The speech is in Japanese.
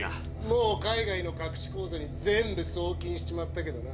もう海外の隠し口座に全部送金しちまったけどな。